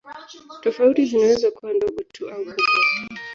Tofauti zinaweza kuwa ndogo tu au kubwa.